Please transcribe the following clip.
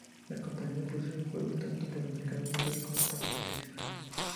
La compañía, produce juegos tanto para el mercado local, como para el internacional.